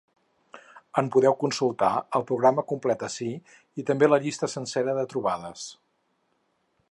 En podeu consultar el programa complet ací i també la llista sencera de trobades.